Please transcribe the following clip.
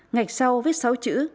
ngạch sau viết sáu chữ